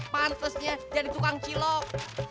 pantesnya jadi tukang cilok